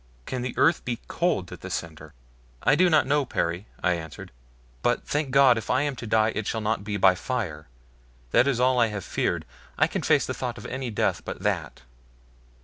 Can the earth be cold at the center?" "I do not know, Perry," I answered; "but thank God, if I am to die it shall not be by fire that is all that I have feared. I can face the thought of any death but that."